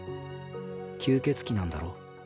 吸血鬼なんだろ？